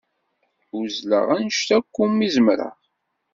Uzzleɣ anect akk umi zemreɣ.